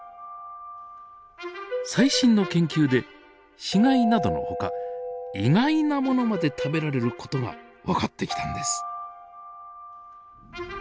最新の研究で死骸などのほか意外なものまで食べられる事が分かってきたんです。